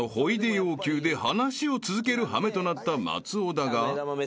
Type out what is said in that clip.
要求で話を続ける羽目となった松尾だが］